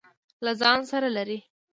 له ځان سره لري.